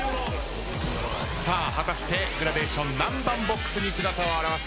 さあ果たしてグラデーション何番ボックスに姿を現すか。